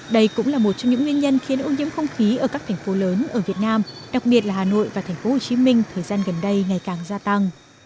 đây cũng là một trong những nguyên nhân khiến ưu nhiễm không khí ở các thành phố lớn ở việt nam đặc biệt là hà nội và thành phố hồ chí minh thời gian gần đây ngày càng gia tăng